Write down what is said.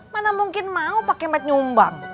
mana mungkin mau pak kemet nyumbang